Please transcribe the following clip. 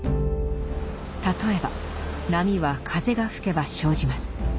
例えば波は風が吹けば生じます。